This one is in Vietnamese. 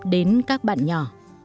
đến các bạn nhỏ